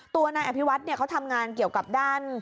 ตัวนายอภิวัฒน์เขาทำงานเกี่ยวกับด้าน